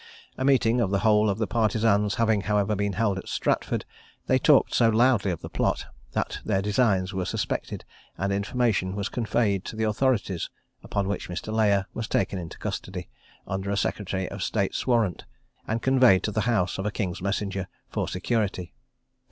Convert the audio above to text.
A meeting of the whole of the partisans having, however, been held at Stratford, they talked so loudly of the plot, that their designs were suspected, and information was conveyed to the authorities; upon which Mr. Layer was taken into custody, under a secretary of state's warrant, and conveyed to the house of a king's messenger for security.